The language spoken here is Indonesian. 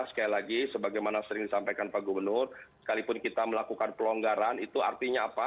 sekali lagi sebagaimana sering disampaikan pak gubernur sekalipun kita melakukan pelonggaran itu artinya apa